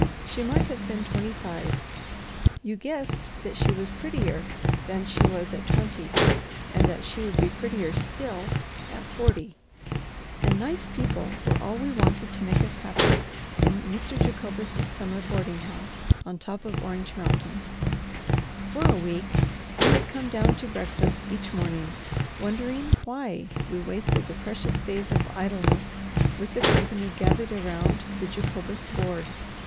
She might have been twenty five; you guessed that she was prettier than she was at twenty, and that she would be prettier still at forty. And nice people were all we wanted to make us happy in Mr. Jacobus's summer boarding house on top of Orange Mountain. For a week we had come down to breakfast each morning, wondering why we wasted the precious days of idleness with the company gathered around the Jacobus board.